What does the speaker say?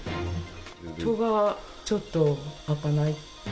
戸がちょっと開かない。